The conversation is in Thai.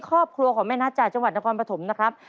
ครอบครัวของแม่นัทจากจังหวัดนครปฐมนะครับ